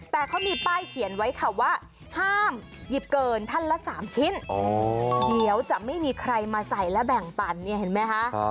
แต่เขามีป้ายเขียนไว้ค่ะว่าห้ามหยิบเกินท่านละ๓ชิ้นเดี๋ยวจะไม่มีใครมาใส่และแบ่งปันเนี่ยเห็นไหมคะ